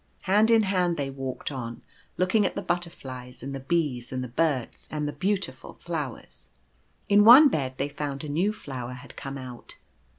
Hand in hand they walked on, looking at the butter flies, and the bees, and the birds, and the beautiful flower:. In one bed they found a new flower had come out.